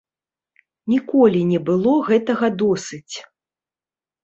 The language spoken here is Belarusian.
Ніколі не было гэтага досыць.